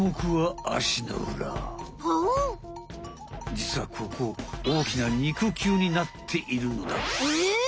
じつはここ大きな肉球になっているのだ！え？